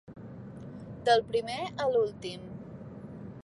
Del primer a l’últim.